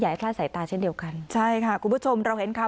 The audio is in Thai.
ให้คลาดสายตาเช่นเดียวกันใช่ค่ะคุณผู้ชมเราเห็นข่าว